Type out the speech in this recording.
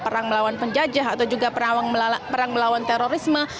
perang melawan penjajah atau juga perang melawan terorisme